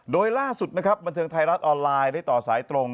โดยล่าสุดนะครับบันเทิงไทยรัฐออนไลน์ได้ต่อสายตรง